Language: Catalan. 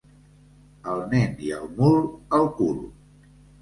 Al nen i al mul, al cul.